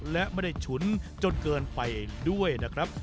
และไม่ได้ฉุนจนเกินไปด้วยนะครับ